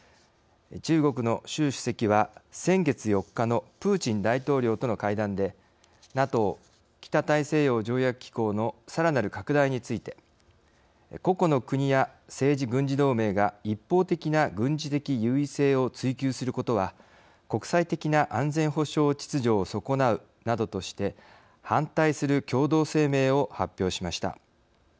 中国の習主席は先月４日のプーチン大統領との会談でＮＡＴＯ＝北大西洋条約機構のさらなる拡大について「個々の国や政治・軍事同盟が一方的な軍事的優位性を追求することは国際的な安全保障秩序を損なう」などとして反対する共同声明を発表しました。